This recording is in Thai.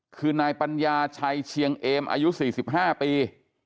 คือนายปัญญาชัยเชียงเอมอายุ๔๕ปี